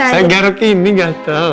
saya garuk ini gatel